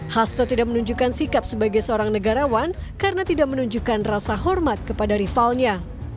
hasto tidak menunjukkan sikap sebagai seorang negarawan karena tidak menunjukkan rasa hormat kepada rivalnya